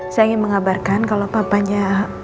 saya ingin mengabarkan kalau papanya